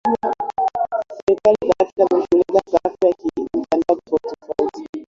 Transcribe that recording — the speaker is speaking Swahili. Serikali za Afrika zimeshughulikia sarafu ya kimtandao tofauti-tofauti